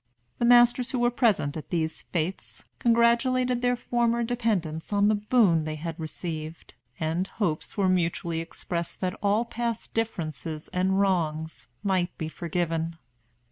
The masters who were present at these fêtes congratulated their former dependents on the boon they had received, and hopes were mutually expressed that all past differences and wrongs might be forgiven."